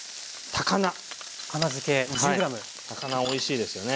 高菜おいしいですよね。